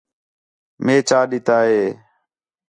مے چا ݙِتا ہے